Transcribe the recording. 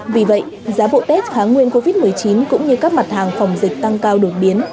vì vậy giá bộ tết kháng nguyên covid một mươi chín cũng như các mặt hàng phòng dịch tăng cao đột biến